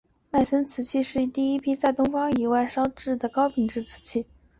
迈森瓷器是第一批在东方以外烧造的高品质的瓷器。